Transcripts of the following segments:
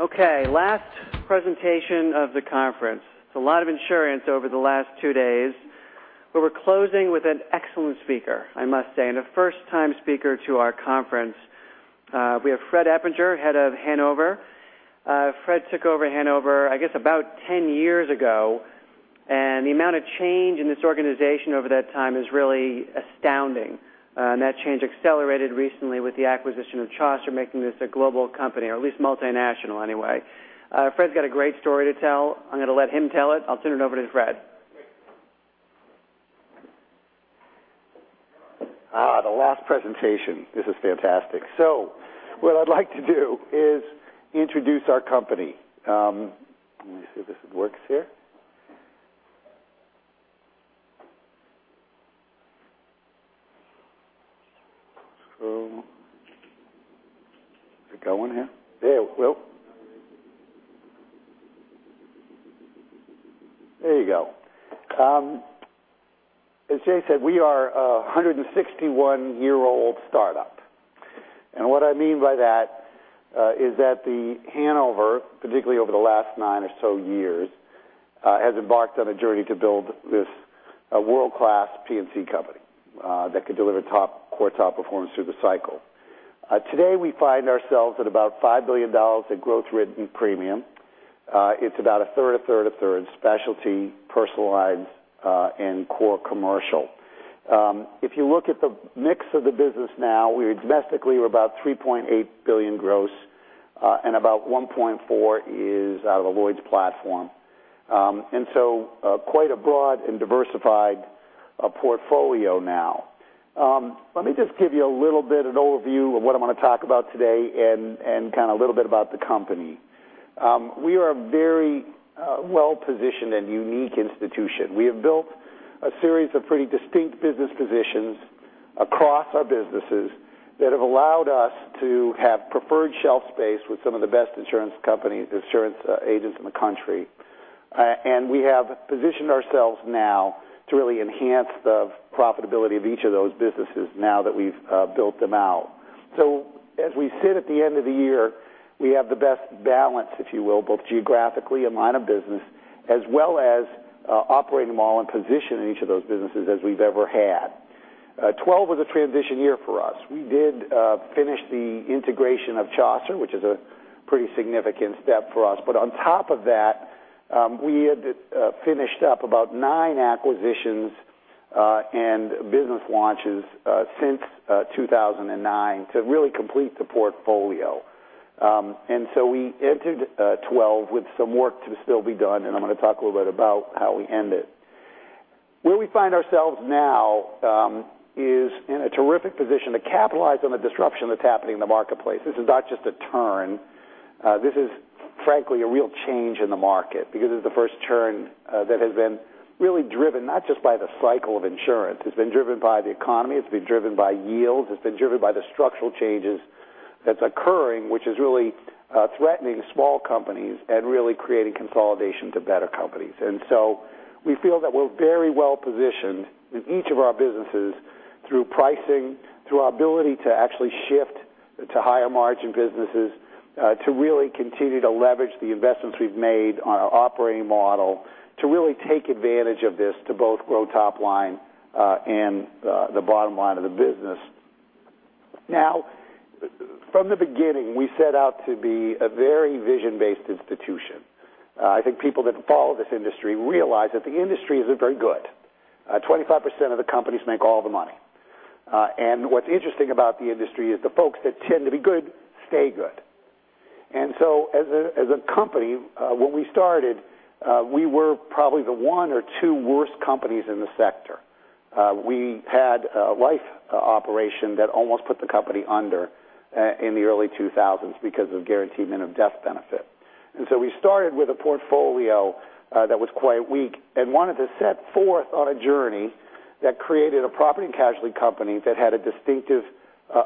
Last presentation of the conference. It's a lot of insurance over the last two days, but we're closing with an excellent speaker, I must say, and a first-time speaker to our conference. We have Fred Eppinger, head of Hanover. Fred took over Hanover, I guess, about 10 years ago, and the amount of change in this organization over that time is really astounding. That change accelerated recently with the acquisition of Chaucer, making this a global company, or at least multinational anyway. Fred's got a great story to tell. I'm going to let him tell it. I'll turn it over to Fred. The last presentation. This is fantastic. What I'd like to do is introduce our company. Let me see if this works here. Is it going here? There we go. There you go. As Jay said, we are a 161-year-old startup. What I mean by that is that Hanover, particularly over the last nine or so years, has embarked on a journey to build this world-class P&C company that could deliver core top performance through the cycle. Today, we find ourselves at about $5 billion in gross written premium. It's about a third, a third, a third Specialty, personal lines, and Core Commercial. If you look at the mix of the business now, domestically, we're about $3.8 billion gross, and about $1.4 billion is out of the Lloyd's platform. Quite a broad and diversified portfolio now. Let me just give you a little bit of an overview of what I'm going to talk about today and kind of a little bit about the company. We are very well-positioned and unique institution. We have built a series of pretty distinct business positions across our businesses that have allowed us to have preferred shelf space with some of the best insurance agents in the country. We have positioned ourselves now to really enhance the profitability of each of those businesses now that we've built them out. As we sit at the end of the year, we have the best balance, if you will, both geographically and line of business, as well as operating model and position in each of those businesses as we've ever had. 2012 was a transition year for us. We did finish the integration of Chaucer, which is a pretty significant step for us. On top of that, we had finished up about nine acquisitions and business launches since 2009 to really complete the portfolio. We entered 2012 with some work to still be done, I'm going to talk a little bit about how we end it. Where we find ourselves now is in a terrific position to capitalize on the disruption that's happening in the marketplace. This is not just a turn. This is, frankly, a real change in the market because it's the first turn that has been really driven, not just by the cycle of insurance. It's been driven by the economy, it's been driven by yields, it's been driven by the structural changes that's occurring, which is really threatening small companies and really creating consolidation to better companies. We feel that we're very well-positioned in each of our businesses through pricing, through our ability to actually shift to higher margin businesses to really continue to leverage the investments we've made on our operating model to really take advantage of this to both grow top line and the bottom line of the business. From the beginning, we set out to be a very vision-based institution. I think people that follow this industry realize that the industry isn't very good. 25% of the companies make all the money. What's interesting about the industry is the folks that tend to be good, stay good. As a company, when we started, we were probably the one or two worst companies in the sector. We had a life operation that almost put the company under in the early 2000s because of guaranteed minimum death benefit. We started with a portfolio that was quite weak and wanted to set forth on a journey that created a property and casualty company that had a distinctive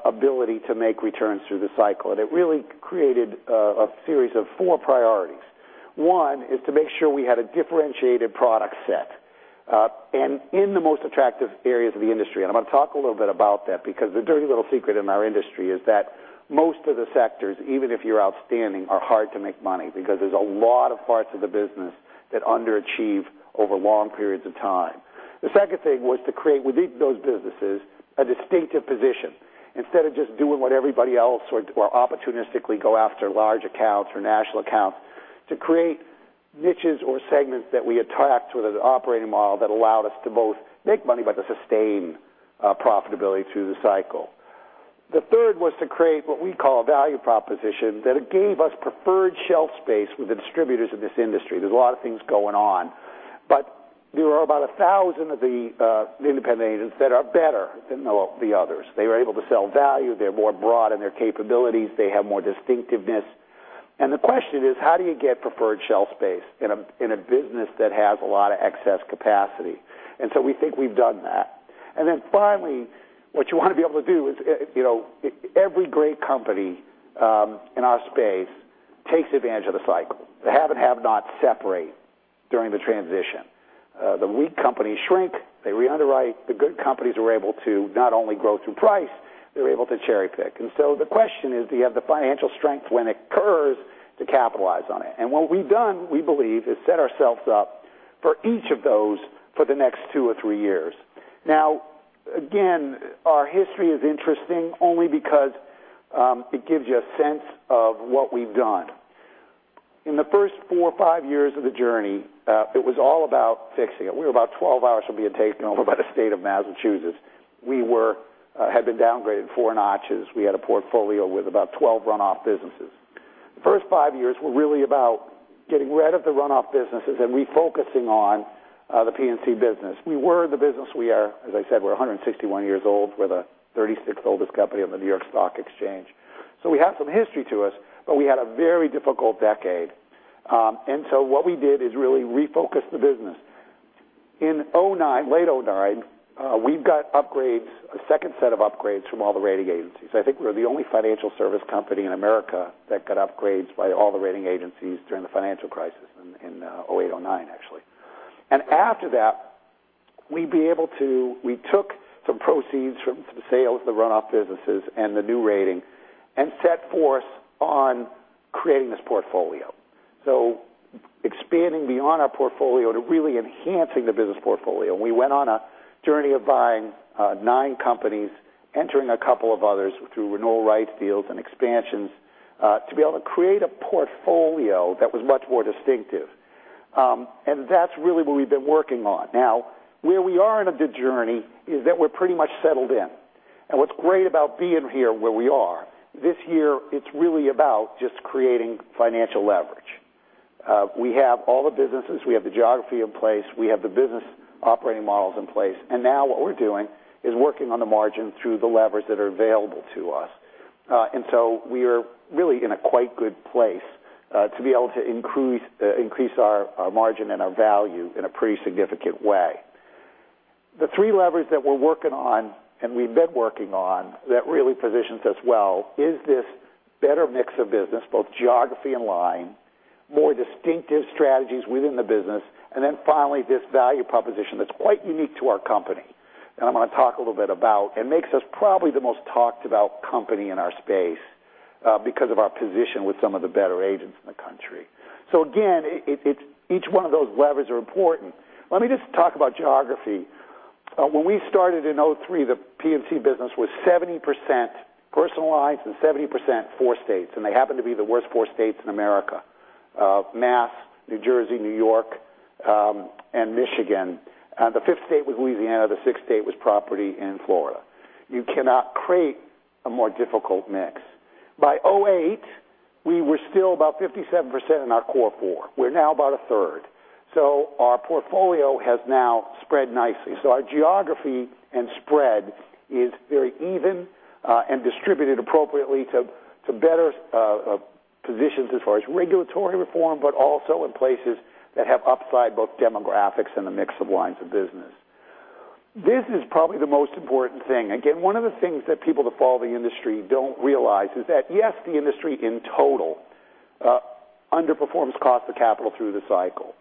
ability to make returns through the cycle. It really created a series of four priorities. One is to make sure we had a differentiated product set and in the most attractive areas of the industry. I'm going to talk a little bit about that because the dirty little secret in our industry is that most of the sectors, even if you're outstanding, are hard to make money because there's a lot of parts of the business that underachieve over long periods of time. The second thing was to create within those businesses a distinctive position. Instead of just doing what everybody else or opportunistically go after large accounts or national accounts, to create niches or segments that we attract with an operating model that allowed us to both make money but to sustain profitability through the cycle. The third was to create what we call a value proposition that gave us preferred shelf space with the distributors of this industry. There's a lot of things going on, but there are about 1,000 of the independent agents that are better than the others. They were able to sell value. They're more broad in their capabilities. They have more distinctiveness. The question is, how do you get preferred shelf space in a business that has a lot of excess capacity? We think we've done that. Finally, what you want to be able to do is, every great company in our space takes advantage of the cycle. Have and have not separate during the transition. The weak companies shrink, they re-underwrite. The good companies are able to not only grow through price, they're able to cherry pick. The question is, do you have the financial strength when it occurs to capitalize on it? What we've done, we believe, is set ourselves up for each of those for the next two or three years. Again, our history is interesting only because it gives you a sense of what we've done. In the first four or five years of the journey, it was all about fixing it. We were about 12 hours from being taken over by the State of Massachusetts. We had been downgraded four notches. We had a portfolio with about 12 runoff businesses. The first five years were really about getting rid of the runoff businesses and refocusing on the P&C business. We were the business we are, as I said, we're 161 years old. We're the 36th oldest company on the New York Stock Exchange. We have some history to us, but we had a very difficult decade. What we did is really refocus the business. In 2009, late 2009, we got upgrades, a second set of upgrades from all the rating agencies. I think we're the only financial service company in America that got upgrades by all the rating agencies during the financial crisis in 2008, 2009, actually. After that, we took some proceeds from the sales, the runoff businesses, and the new rating, and set forth on creating this portfolio. Expanding beyond our portfolio to really enhancing the business portfolio. We went on a journey of buying nine companies, entering a couple of others through renewal rights deals and expansions, to be able to create a portfolio that was much more distinctive. That's really what we've been working on. Now, where we are in the journey is that we're pretty much settled in. What's great about being here where we are, this year, it's really about just creating financial leverage. We have all the businesses, we have the geography in place, we have the business operating models in place, and now what we're doing is working on the margin through the levers that are available to us. We are really in a quite good place, to be able to increase our margin and our value in a pretty significant way. The three levers that we're working on, and we've been working on that really positions us well, is this better mix of business, both geography and line, more distinctive strategies within the business, and then finally, this value proposition that's quite unique to our company, and I'm going to talk a little bit about, and makes us probably the most talked about company in our space because of our position with some of the better agents in the country. Again, each one of those levers are important. Let me just talk about geography. When we started in 2003, the P&C business was 70% personal lines and 70% four states, and they happened to be the worst four states in America, Mass, New Jersey, N.Y., and Michigan. The fifth state was Louisiana, the sixth state was property in Florida. You cannot create a more difficult mix. By 2008, we were still about 57% in our core four. We're now about a third. Our portfolio has now spread nicely. Our geography and spread is very even, and distributed appropriately to better positions as far as regulatory reform, but also in places that have upside both demographics and the mix of lines of business. This is probably the most important thing. Again, one of the things that people that follow the industry don't realize is that, yes, the industry in total, underperforms cost of capital through the cycle.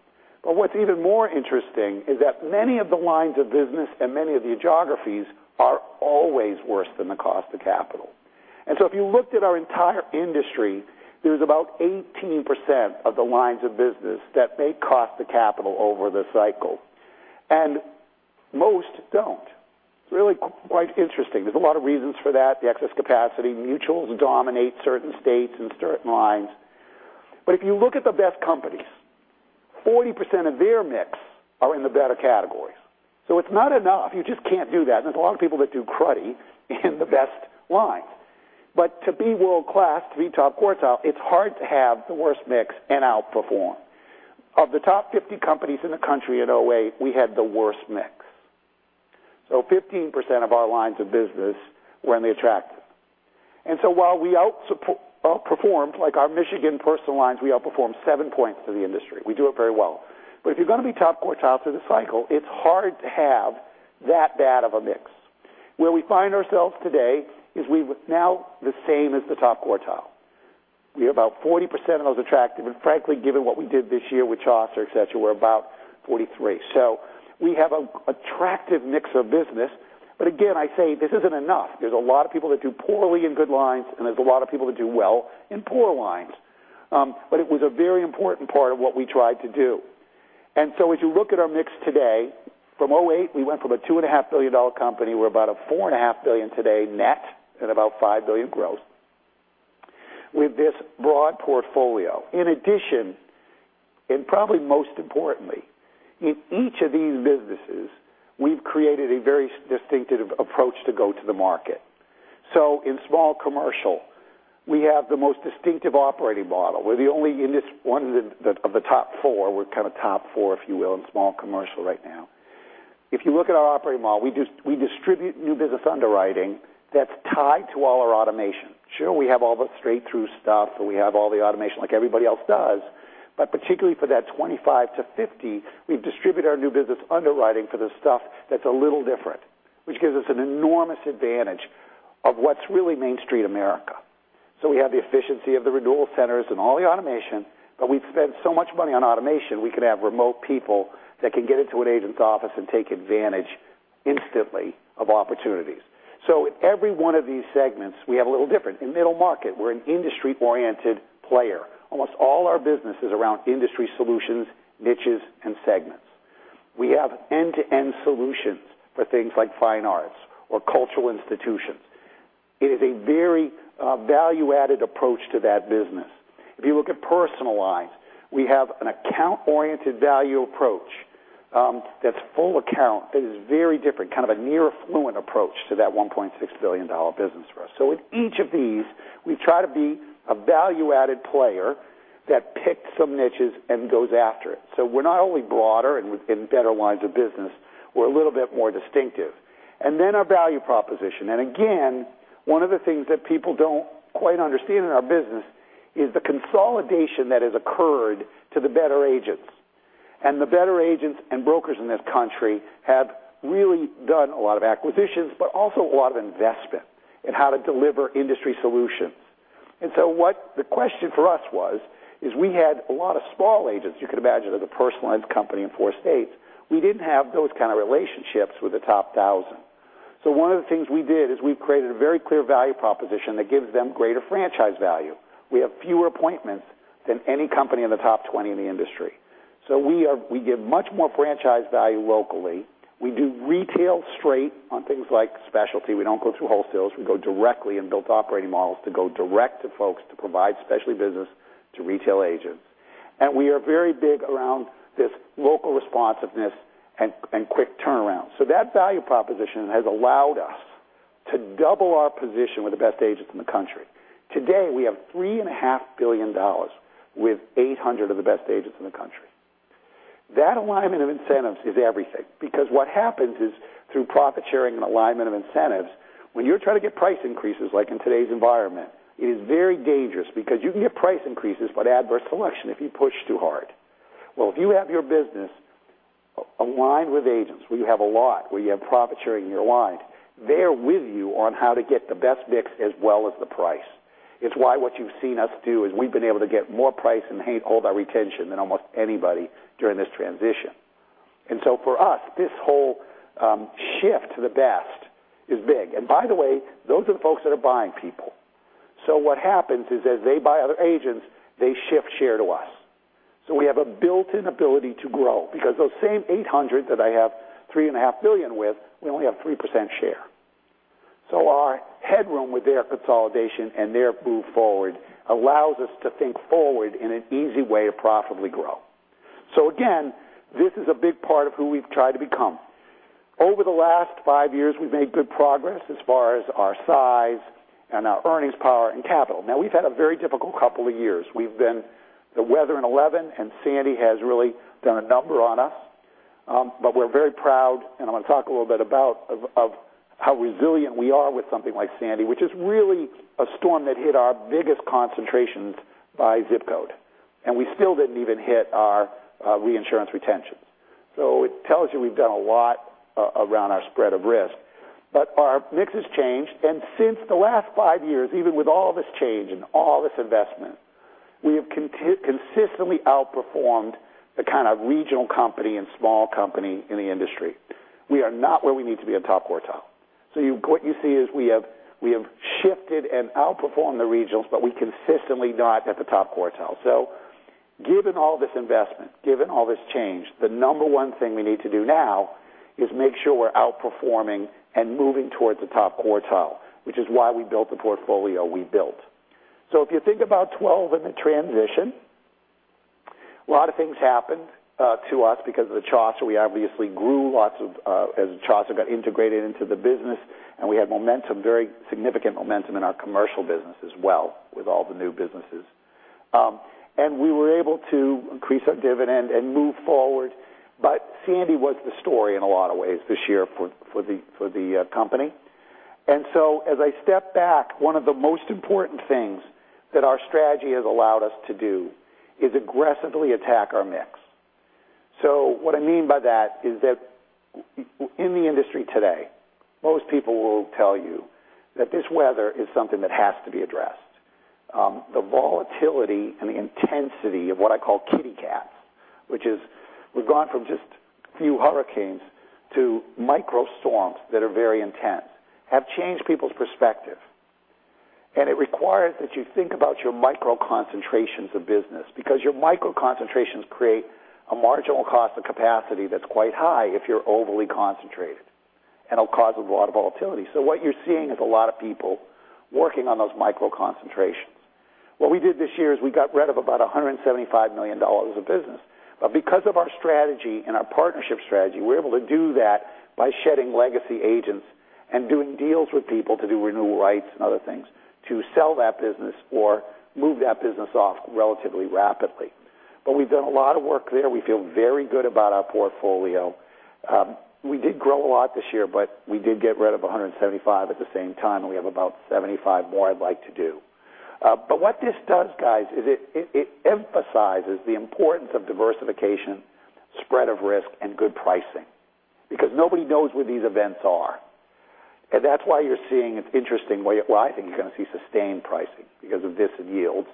But what's even more interesting is that many of the lines of business and many of the geographies are always worse than the cost of capital. If you looked at our entire industry, there's about 18% of the lines of business that make cost of capital over the cycle, and most don't. It's really quite interesting. There's a lot of reasons for that. The excess capacity, mutuals dominate certain states and certain lines. If you look at the best companies, 40% of their mix are in the better categories. It's not enough. You just can't do that. There's a lot of people that do cruddy in the best lines. To be world-class, to be top quartile, it's hard to have the worst mix and outperform. Of the top 50 companies in the country in 2008, we had the worst mix. 15% of our lines of business were in the attractive. While we outperformed, like our Michigan personal lines, we outperformed seven points to the industry. We do it very well. If you're going to be top quartile through the cycle, it's hard to have that bad of a mix. Where we find ourselves today is we're now the same as the top quartile. We have about 40% of those attractive, and frankly, given what we did this year with Chaucer, et cetera, we're about 43. We have an attractive mix of business. Again, I say this isn't enough. There's a lot of people that do poorly in good lines, and there's a lot of people that do well in poor lines. It was a very important part of what we tried to do. As you look at our mix today, from 2008, we went from a $2.5 billion company. We're about a $4.5 billion today net and about $5 billion growth with this broad portfolio. In addition, and probably most importantly, in each of these businesses, we've created a very distinctive approach to go to the market. In Small Commercial, we have the most distinctive operating model. We're the only one of the top four. We're kind of top four, if you will, in Small Commercial right now. If you look at our operating model, we distribute new business underwriting that's tied to all our automation. Sure, we have all the straight-through stuff, and we have all the automation like everybody else does, but particularly for that 25-50, we distribute our new business underwriting for the stuff that's a little different, which gives us an enormous advantage of what's really Main Street America. We have the efficiency of the renewal centers and all the automation, but we've spent so much money on automation, we can have remote people that can get into an agent's office and take advantage instantly of opportunities. Every one of these segments, we have a little different. In Middle Market, we're an industry-oriented player. Almost all our business is around industry solutions, niches, and segments. We have end-to-end solutions for things like fine arts or cultural institutions. It is a very value-added approach to that business. If you look at personal lines, we have an account-oriented value approach that's full account that is very different, kind of a near affluent approach to that $1.6 billion business for us. With each of these, we try to be a value-added player that picks some niches and goes after it. We're not only broader and in better lines of business, we're a little bit more distinctive. Our value proposition. One of the things that people don't quite understand in our business is the consolidation that has occurred to the better agents. The better agents and brokers in this country have really done a lot of acquisitions, but also a lot of investment in how to deliver industry solutions. What the question for us was, is we had a lot of small agents. You could imagine as a personal lines company in four states, we didn't have those kind of relationships with the top thousand. One of the things we did is we created a very clear value proposition that gives them greater franchise value. We have fewer appointments than any company in the top 20 in the industry. We give much more franchise value locally. We do retail straight on things like Specialty. We don't go through wholesalers. We go directly and built operating models to go direct to folks to provide Specialty business to retail agents. We are very big around this local responsiveness and quick turnaround. That value proposition has allowed us to double our position with the best agents in the country. Today, we have $3.5 billion with 800 of the best agents in the country. That alignment of incentives is everything because what happens is through profit sharing and alignment of incentives, when you're trying to get price increases like in today's environment, it is very dangerous because you can get price increases, but adverse selection if you push too hard. If you have your business aligned with agents where you have a lot, where you have profit sharing in your lines, they're with you on how to get the best mix as well as the price. It's why what you've seen us do is we've been able to get more price and hold our retention than almost anybody during this transition. For us, this whole shift to the best is big. By the way, those are the folks that are buying people. What happens is as they buy other agents, they shift share to us. We have a built-in ability to grow because those same 800 that I have $3.5 billion with, we only have 3% share. Our headroom with their consolidation and their move forward allows us to think forward in an easy way to profitably grow. Again, this is a big part of who we've tried to become. Over the last 5 years, we've made good progress as far as our size and our earnings power and capital. We've had a very difficult couple of years. The weather in 2011 and Hurricane Sandy has really done a number on us. We're very proud, and I'm going to talk a little bit about of how resilient we are with something like Hurricane Sandy, which is really a storm that hit our biggest concentrations by zip code. We still didn't even hit our reinsurance retention. It tells you we've done a lot around our spread of risk, but our mix has changed. Since the last 5 years, even with all this change and all this investment, we have consistently outperformed the kind of regional company and Small Commercial in the industry. We are not where we need to be in top quartile. What you see is we have shifted and outperformed the regionals, but we consistently not at the top quartile. Given all this investment, given all this change, the number one thing we need to do now is make sure we're outperforming and moving towards the top quartile, which is why we built the portfolio we built. If you think about 2012 and the transition, a lot of things happened to us because of the Chaucer. We obviously grew, as Chaucer got integrated into the business, and we had momentum, very significant momentum in our commercial business as well with all the new businesses. We were able to increase our dividend and move forward. Sandy was the story in a lot of ways this year for the company. As I step back, one of the most important things that our strategy has allowed us to do is aggressively attack our mix. What I mean by that is that in the industry today, most people will tell you that this weather is something that has to be addressed. The volatility and the intensity of what I call kitty cats, which is we've gone from just few hurricanes to micro storms that are very intense, have changed people's perspective. It requires that you think about your micro concentrations of business because your micro concentrations create a marginal cost of capacity that's quite high if you're overly concentrated, and it'll cause a lot of volatility. What you're seeing is a lot of people working on those micro concentrations. What we did this year is we got rid of about $175 million of business. Because of our strategy and our partnership strategy, we're able to do that by shedding legacy agents and doing deals with people to do renewal rights and other things to sell that business or move that business off relatively rapidly. We've done a lot of work there. We feel very good about our portfolio. We did grow a lot this year, but we did get rid of $175 million at the same time, and we have about $75 million more I'd like to do. What this does, guys, is it emphasizes the importance of diversification spread of risk, and good pricing, because nobody knows where these events are. That's why you're seeing an interesting way. I think you're going to see sustained pricing because of this and yields.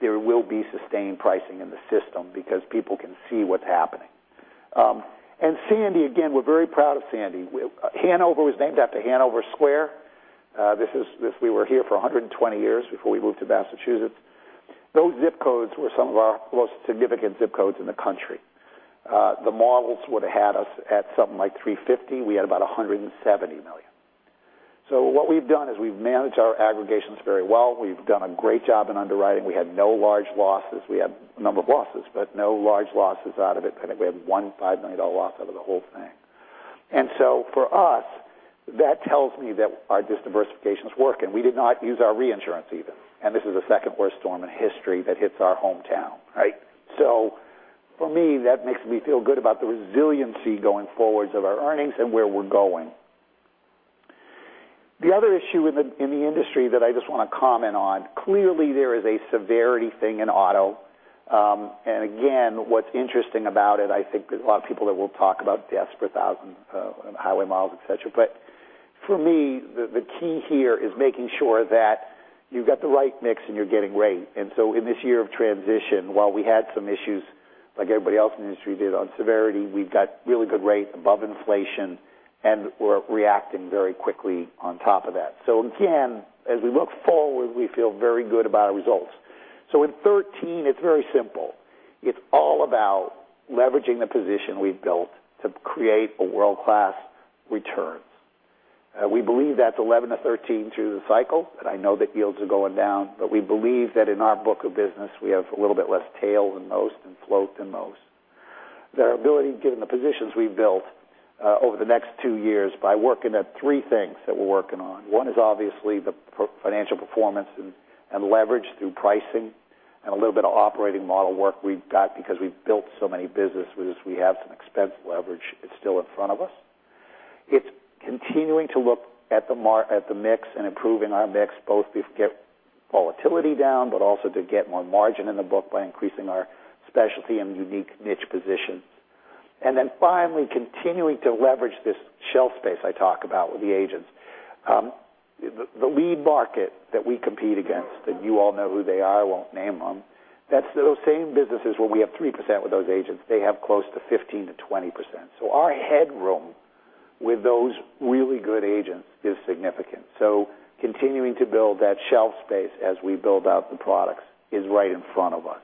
There will be sustained pricing in the system because people can see what's happening. Sandy, again, we're very proud of Sandy. Hanover was named after Hanover Square. We were here for 120 years before we moved to Massachusetts. Those zip codes were some of our most significant zip codes in the country. The models would've had us at something like $350 million. We had about $170 million. What we've done is we've managed our aggregations very well. We've done a great job in underwriting. We had no large losses. We had a number of losses, but no large losses out of it. I think we had one $5 million loss out of the whole thing. For us, that tells me that our diversifications work, and we did not use our reinsurance even. This is the second worst storm in history that hits our hometown, right? For me, that makes me feel good about the resiliency going forwards of our earnings and where we're going. The other issue in the industry that I just want to comment on, clearly there is a severity thing in auto. Again, what's interesting about it, I think there's a lot of people that will talk about deaths per thousand highway miles, et cetera. For me, the key here is making sure that you've got the right mix and you're getting rate. In this year of transition, while we had some issues like everybody else in the industry did on severity, we've got really good rate above inflation, and we're reacting very quickly on top of that. Again, as we look forward, we feel very good about our results. In 2013, it's very simple. It's all about leveraging the position we've built to create a world-class return. We believe that's 11%-13% through the cycle. I know that yields are going down, but we believe that in our book of business, we have a little bit less tail than most and float than most. Their ability, given the positions we've built over the next two years by working at three things that we're working on. One is obviously the financial performance and leverage through pricing and a little bit of operating model work we've got because we've built so many businesses, we have some expense leverage that's still in front of us. It's continuing to look at the mix and improving our mix, both to get volatility down, but also to get more margin in the book by increasing our Specialty and unique niche position. Finally, continuing to leverage this shelf space I talk about with the agents. The lead market that we compete against, you all know who they are, I won't name them, that's those same businesses where we have 3% with those agents, they have close to 15%-20%. Our headroom with those really good agents is significant. Continuing to build that shelf space as we build out the products is right in front of us.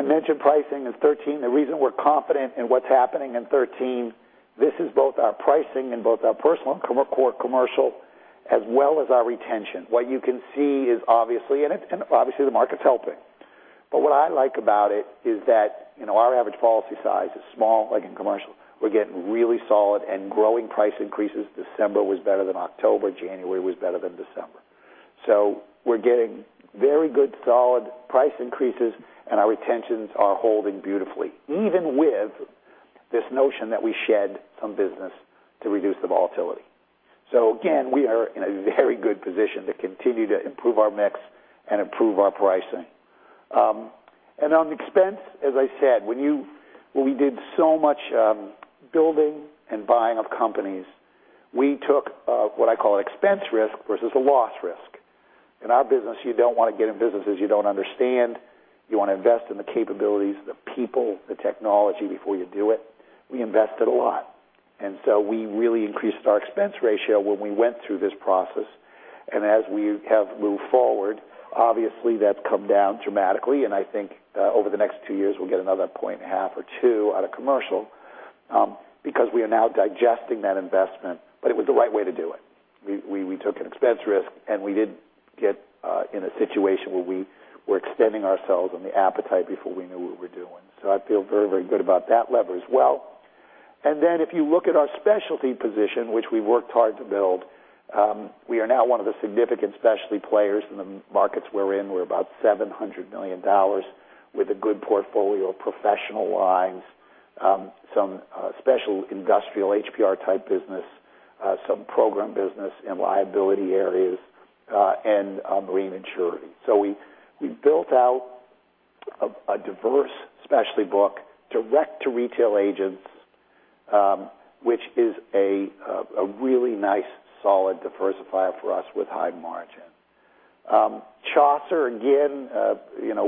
I mentioned pricing in 2013. The reason we're confident in what's happening in 2013, this is both our pricing and both our personal and Core Commercial, as well as our retention. What you can see is obviously the market's helping. What I like about it is that our average policy size is small, like in commercial. We're getting really solid and growing price increases. December was better than October, January was better than December. We're getting very good solid price increases, and our retentions are holding beautifully, even with this notion that we shed some business to reduce the volatility. Again, we are in a very good position to continue to improve our mix and improve our pricing. On expense, as I said, when we did so much building and buying of companies, we took what I call an expense risk versus a loss risk. In our business, you don't want to get in businesses you don't understand. You want to invest in the capabilities, the people, the technology before you do it. We invested a lot, we really increased our expense ratio when we went through this process. As we have moved forward, obviously that's come down dramatically, and I think over the next two years, we'll get another point half or two out of commercial because we are now digesting that investment, it was the right way to do it. We took an expense risk, and we didn't get in a situation where we were extending ourselves and the appetite before we knew what we were doing. I feel very, very good about that lever as well. If you look at our Specialty position, which we worked hard to build, we are now one of the significant Specialty players in the markets we're in. We're about $700 million with a good portfolio of professional lines, some special industrial HPR type business, some program business and liability areas, and Marine and Surety. We built out a diverse Specialty book direct to retail agents, which is a really nice solid diversifier for us with high margin. Chaucer, again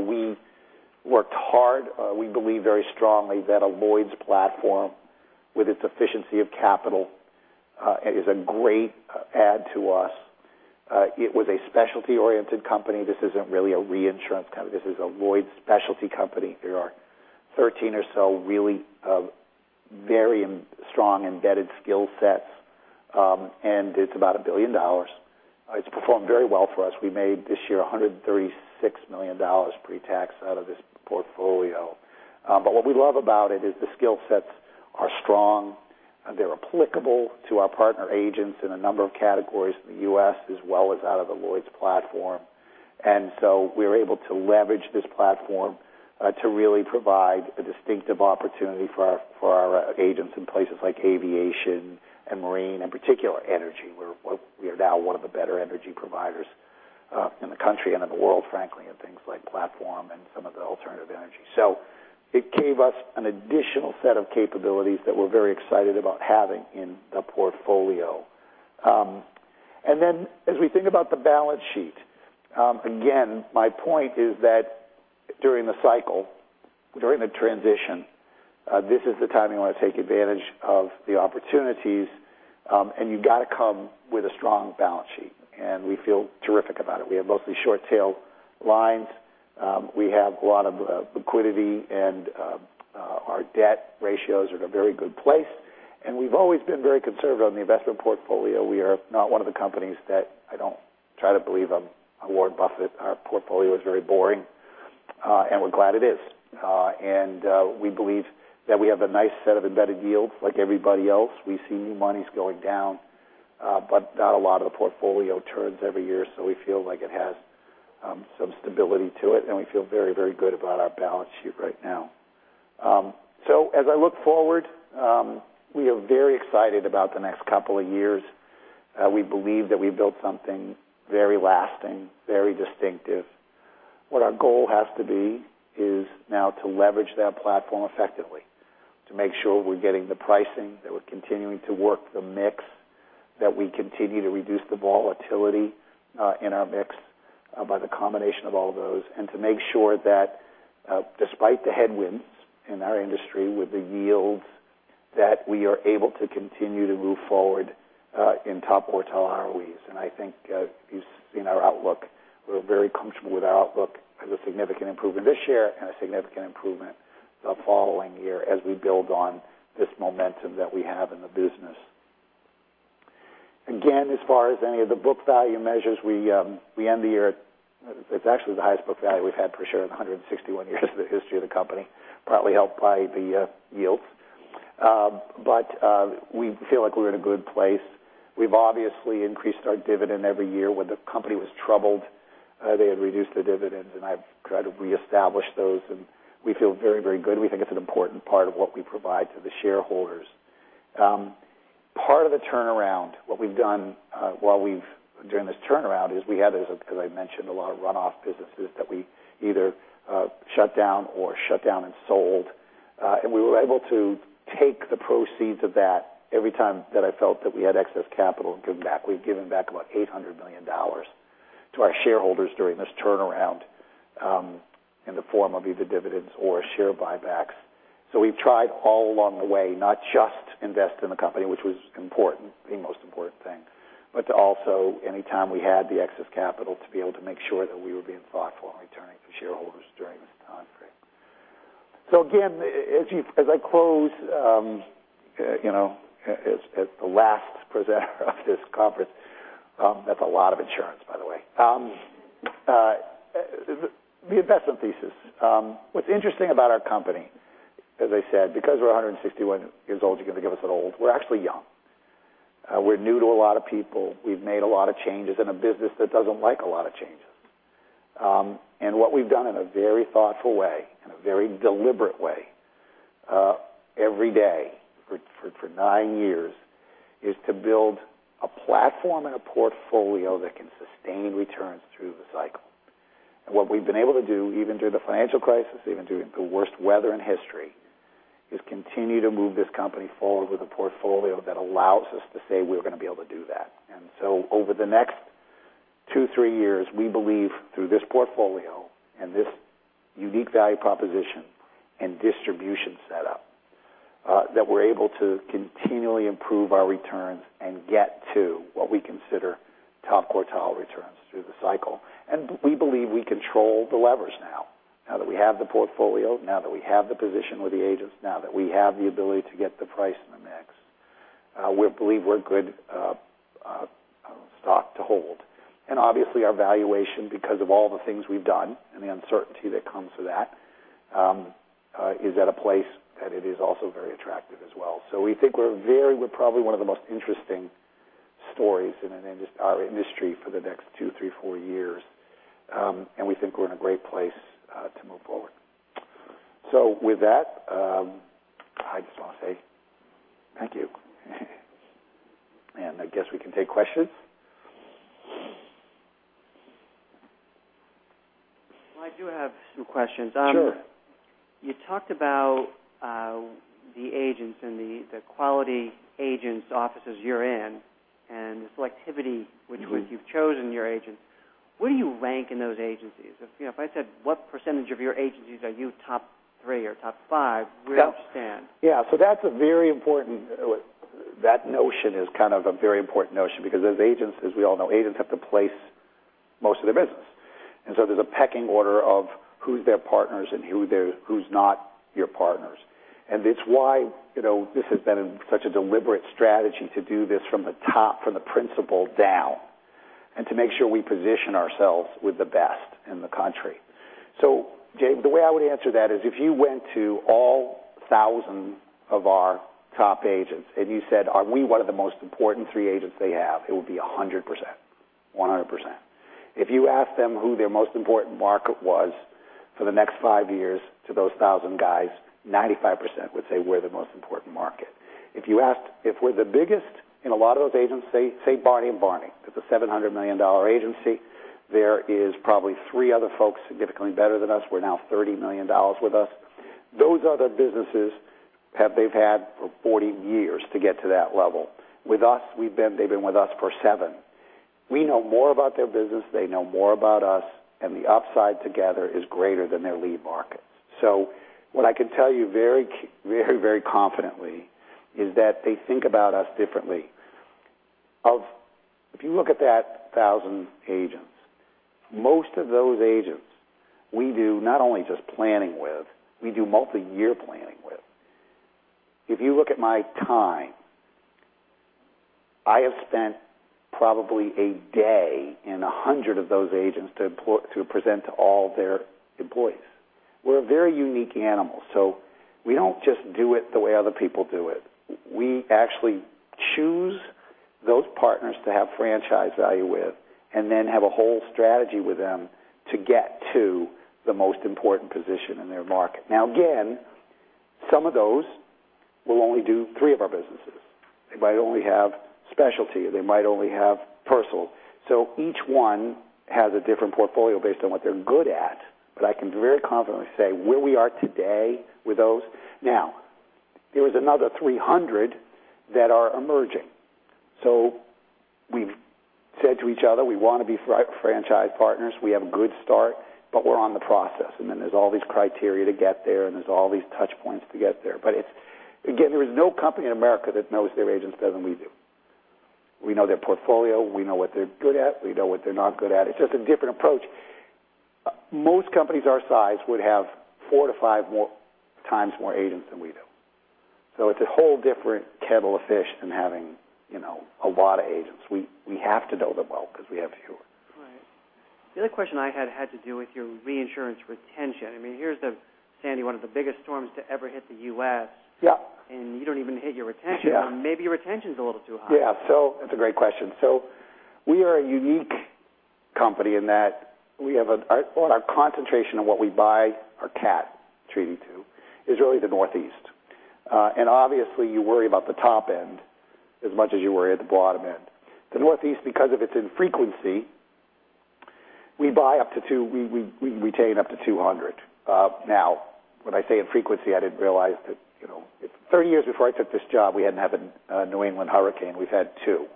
we worked hard. We believe very strongly that a Lloyd's platform with its efficiency of capital is a great add to us. It was a Specialty oriented company. This isn't really a reinsurance company. This is a Lloyd's Specialty company. There are 13 or so really very strong embedded skill sets, and it's about $1 billion. It's performed very well for us. We made this year $136 million pre-tax out of this portfolio. What we love about it is the skill sets are strong. They're applicable to our partner agents in a number of categories in the U.S. as well as out of the Lloyd's platform. We're able to leverage this platform to really provide a distinctive opportunity for our agents in places like aviation and Marine, in particular energy. We are now one of the better energy providers in the country and in the world, frankly, in things like platform and some of the alternative energy. It gave us an additional set of capabilities that we're very excited about having in the portfolio. As we think about the balance sheet, again, my point is that during the cycle, during the transition, this is the time you want to take advantage of the opportunities, and you've got to come with a strong balance sheet. We feel terrific about it. We have mostly short-tail lines. We have a lot of liquidity, and our debt ratios are in a very good place, and we've always been very conservative on the investment portfolio. We are not one of the companies. I don't try to believe I'm a Warren Buffett. Our portfolio is very boring, and we're glad it is. We believe that we have a nice set of embedded yields. Like everybody else, we've seen monies going down, not a lot of the portfolio turns every year, we feel like it has some stability to it, and we feel very, very good about our balance sheet right now. As I look forward, we are very excited about the next couple of years. We believe that we built something very lasting, very distinctive. What our goal has to be is now to leverage that platform effectively, to make sure we're getting the pricing, that we're continuing to work the mix, that we continue to reduce the volatility in our mix by the combination of all those, and to make sure that despite the headwinds in our industry with the yields, that we are able to continue to move forward in top quartile on our yields. I think you've seen our outlook. We're very comfortable with our outlook as a significant improvement this year and a significant improvement the following year as we build on this momentum that we have in the business. Again, as far as any of the book value measures, we end the year at actually the highest book value we've had for sure in the 161 years of the history of the company, probably helped by the yields. We feel like we're in a good place. We've obviously increased our dividend every year. When the company was troubled, they had reduced the dividends, and I've tried to reestablish those, and we feel very, very good. We think it's an important part of what we provide to the shareholders. Part of the turnaround, what we've done during this turnaround is we had, as I mentioned, a lot of runoff businesses that we either shut down or shut down and sold. We were able to take the proceeds of that every time that I felt that we had excess capital to give back. We've given back about $800 million to our shareholders during this turnaround in the form of either dividends or share buybacks. We've tried all along the way, not just invest in the company, which was important, the most important thing, but to also, anytime we had the excess capital, to be able to make sure that we were being thoughtful in returning to shareholders during this time frame. Again, as I close as the last presenter of this conference, that's a lot of insurance, by the way. The investment thesis. What's interesting about our company, as I said, because we're 161 years old, you're going to think of us as old. We're actually young. We're new to a lot of people. We've made a lot of changes in a business that doesn't like a lot of changes. What we've done in a very thoughtful way, in a very deliberate way, every day for nine years, is to build a platform and a portfolio that can sustain returns through the cycle. What we've been able to do, even through the financial crisis, even through the worst weather in history, is continue to move this company forward with a portfolio that allows us to say we're going to be able to do that. Over the next two, three years, we believe through this portfolio and this unique value proposition and distribution set up, that we're able to continually improve our returns and get to what we consider top quartile returns through the cycle. We believe we control the levers now. Now that we have the portfolio, now that we have the position with the agents, now that we have the ability to get the price in the mix, we believe we're a good stock to hold. Obviously, our valuation, because of all the things we've done and the uncertainty that comes with that, is at a place that it is also very attractive as well. We think we're probably one of the most interesting stories in our industry for the next two, three, four years, and we think we're in a great place to move forward. With that, I just want to say thank you. I guess we can take questions. I do have some questions. Sure. You talked about the agents and the quality agents' offices you're in and the selectivity. with which you've chosen your agents. Where do you rank in those agencies? If I said, what percentage of your agencies are you top three or top five, where do you stand? That notion is kind of a very important notion because as agents, as we all know, agents have to place most of their business. There's a pecking order of who's their partners and who's not your partners. It's why this has been such a deliberate strategy to do this from the top, from the principal down, and to make sure we position ourselves with the best in the country. Jay, the way I would answer that is if you went to all 1,000 of our top agents and you said, "Are we one of the most important 3 agents they have?" It would be 100%. If you ask them who their most important market was for the next 5 years, to those 1,000 guys, 95% would say we're the most important market. If you asked if we're the biggest in a lot of those agents, say Barney & Barney. It's a $700 million agency. There is probably 3 other folks significantly better than us, who are now $30 million with us. Those other businesses they've had for 40 years to get to that level. With us, they've been with us for 7. We know more about their business, they know more about us, and the upside together is greater than their lead market. What I can tell you very confidently is that they think about us differently. If you look at that 1,000 agents, most of those agents, we do not only just planning with, we do multi-year planning with. If you look at my time, I have spent probably one day in 100 of those agents to present to all their employees. We're a very unique animal, we don't just do it the way other people do it. We actually choose those partners to have franchise value with, and then have a whole strategy with them to get to the most important position in their market. Again, some of those will only do 3 of our businesses. They might only have Specialty, or they might only have personal. Each one has a different portfolio based on what they're good at. I can very confidently say where we are today with those. There is another 300 that are emerging. We've said to each other, we want to be franchise partners. We have a good start, but we're on the process. There's all these criteria to get there's all these touch points to get there. Again, there is no company in America that knows their agents better than we do. We know their portfolio. We know what they're good at. We know what they're not good at. It's just a different approach. Most companies our size would have four to five times more agents than we do. It's a whole different kettle of fish than having a lot of agents. We have to know them well because we have fewer. Right. The other question I had had to do with your reinsurance retention. Here's the Hurricane Sandy, one of the biggest storms to ever hit the U.S.- Yeah You don't even hit your retention. Yeah. Maybe your retention's a little too high. Yeah. That's a great question. We are a unique company in that our concentration on what we buy our CAT treaty to is really the Northeast. Obviously, you worry about the top end as much as you worry at the bottom end. The Northeast, because of its infrequency, we retain up to $200. Now, when I say infrequency, I didn't realize that 30 years before I took this job, we hadn't had a New England hurricane. We've had two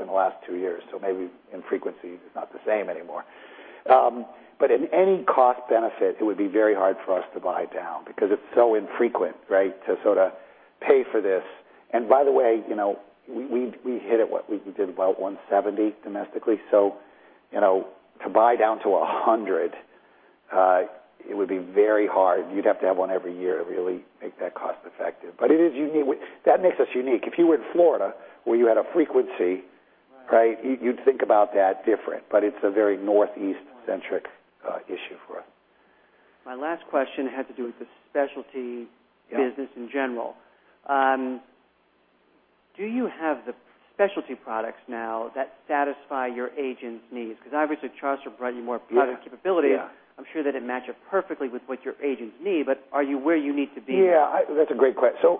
in the last two years, so maybe infrequency is not the same anymore. In any cost benefit, it would be very hard for us to buy down because it's so infrequent, right, to sort of pay for this. By the way, we hit it what? We did about $170 domestically. To buy down to $100, it would be very hard. You'd have to have one every year to really make that cost effective. That makes us unique. If you were in Florida where you had a frequency, right, you'd think about that different, it's a very Northeast-centric issue for us. My last question had to do with the Specialty business in general. Yeah. Do you have the Specialty products now that satisfy your agents' needs? Obviously, Charles River brought you more product capability. Yeah. I'm sure that it matched up perfectly with what your agents need, are you where you need to be? That's a great question.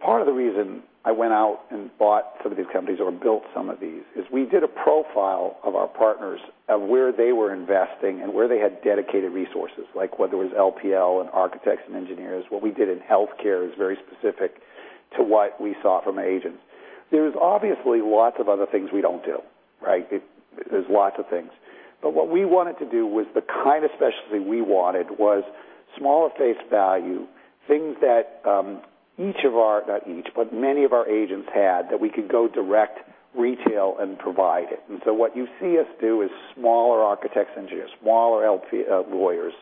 Part of the reason I went out and bought some of these companies or built some of these is we did a profile of our partners of where they were investing and where they had dedicated resources, like whether it was LPL in architects and engineers. What we did in healthcare is very specific to what we saw from agents. There's obviously lots of other things we don't do, right? There's lots of things. What we wanted to do was the kind of Specialty we wanted was smaller face value, things that many of our agents had that we could go direct retail and provide it. What you see us do is smaller architects, engineers, smaller lawyers.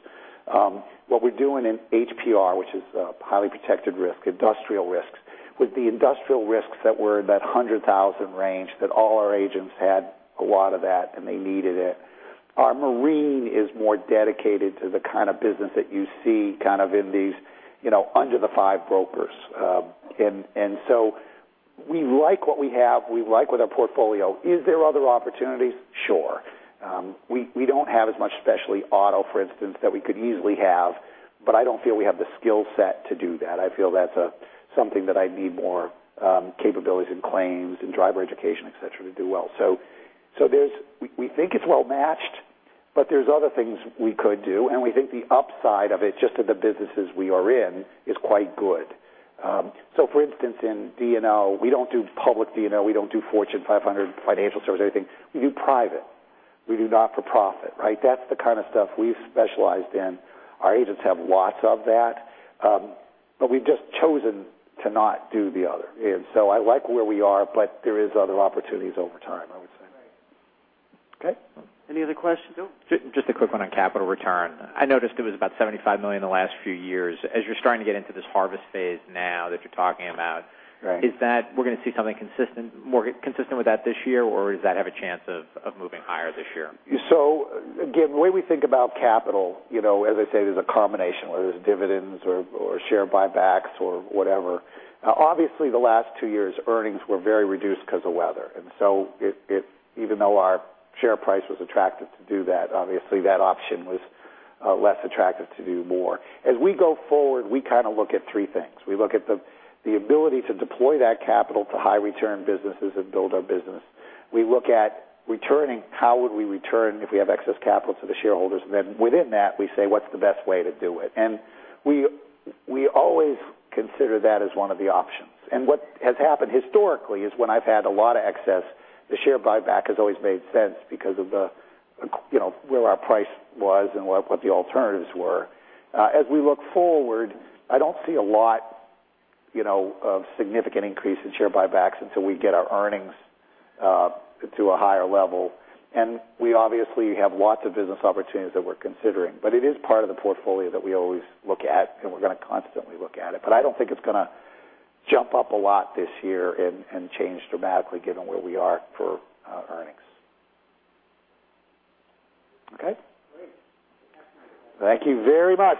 What we're doing in HPR, which is highly protected risk, industrial risks, with the industrial risks that were in that $100,000 range that all our agents had a lot of that and they needed it. Our Marine is more dedicated to the kind of business that you see kind of in these under the 5 brokers. We like what we have. We like with our portfolio. Is there other opportunities? Sure. We don't have as much Specialty auto, for instance, that we could easily have, but I don't feel we have the skill set to do that. I feel that's something that I'd need more capabilities in claims and driver education, et cetera, to do well. We think it's well-matched, but there's other things we could do, and we think the upside of it, just in the businesses we are in, is quite good. For instance, in D&O, we don't do public D&O, we don't do Fortune 500 financial service or anything. We do private. We do not-for-profit, right? That's the kind of stuff we've specialized in. Our agents have lots of that. We've just chosen to not do the other. I like where we are, but there is other opportunities over time, I would say. Right. Okay. Any other questions? Just a quick one on capital return. I noticed it was about $75 million in the last few years. As you're starting to get into this harvest phase now that you're talking about- Right We're going to see something consistent with that this year, or does that have a chance of moving higher this year? Again, the way we think about capital, as I say, there's a combination, whether it's dividends or share buybacks or whatever. Obviously, the last two years, earnings were very reduced because of weather. Even though our share price was attractive to do that, obviously that option was less attractive to do more. As we go forward, we kind of look at three things. We look at the ability to deploy that capital to high return businesses and build our business. We look at returning, how would we return if we have excess capital to the shareholders? Within that, we say, what's the best way to do it? We always consider that as one of the options. What has happened historically is when I've had a lot of excess, the share buyback has always made sense because of where our price was and what the alternatives were. As we look forward, I don't see a lot of significant increase in share buybacks until we get our earnings to a higher level. We obviously have lots of business opportunities that we're considering. It is part of the portfolio that we always look at, and we're going to constantly look at it. I don't think it's going to jump up a lot this year and change dramatically given where we are for earnings. Okay? Great. Thank you very much.